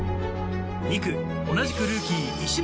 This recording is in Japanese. ２区、同じくルーキー、石松